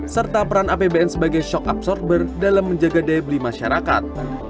serta peran apbn sebagai shock absorber dalam menjaga daya beli masyarakat